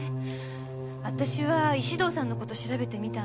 私は石堂さんの事調べてみたんだけど。